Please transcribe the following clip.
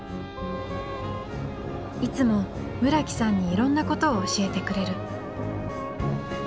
いつも村木さんにいろんなことを教えてくれる。